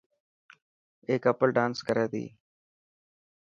اي ڪپل ڊانس ڪري تي.